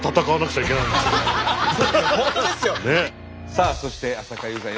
さあそして浅香唯さん